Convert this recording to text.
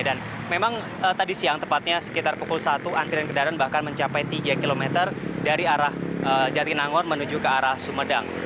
dan memang tadi siang tepatnya sekitar pukul satu antrian kedaran bahkan mencapai tiga km dari arah jatinangor menuju ke arah sumedang